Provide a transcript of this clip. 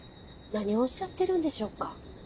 何をおっしゃってるんでしょうか？